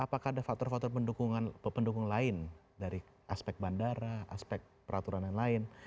apakah ada faktor faktor pendukung lain dari aspek bandara aspek peraturan yang lain